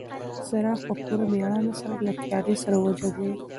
څراغ په پوره مېړانه سره له تیارې سره وجنګېد.